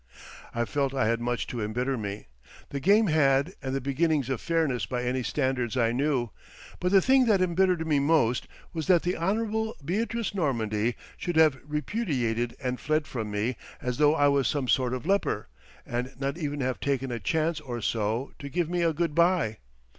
I felt I had much to embitter me; the game had and the beginnings of fairness by any standards I knew.... But the thing that embittered me most was that the Honourable Beatrice Normandy should have repudiated and fled from me as though I was some sort of leper, and not even have taken a chance or so, to give me a good bye.